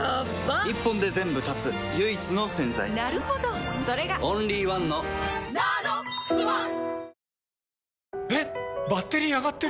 一本で全部断つ唯一の洗剤なるほどそれがオンリーワンの「ＮＡＮＯＸｏｎｅ」